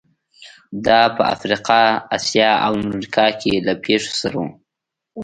دا په افریقا، اسیا او امریکا کې له پېښو سره وو.